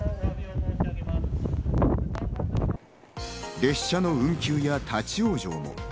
列車の運休や立ち往生も。